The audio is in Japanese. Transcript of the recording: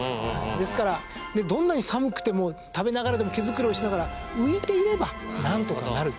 ですからどんなに寒くても食べながらでも毛繕いしながら浮いていれば何とかなる。